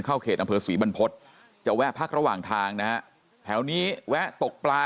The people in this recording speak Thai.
เข้าเขตดำเภอศรีบรรพศจะแวะพักระหว่างทางแถวนี้แวะตกปลา